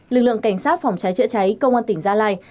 lực lượng cảnh sát phòng cháy chữa cháy công an tỉnh gia lai